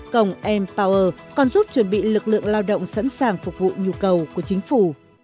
công m tower còn giúp chuẩn bị lực lượng lao động sẵn sàng phục vụ nhu cầu của chính phủ